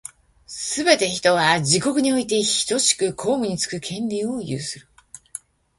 すべて人は、自国においてひとしく公務につく権利を有する。